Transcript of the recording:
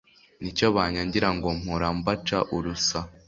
Ni cyo banyangiraNgo mpora mbaca urusa